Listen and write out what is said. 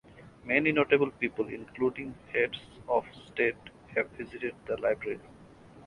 Many notable people including heads of state have visited the library.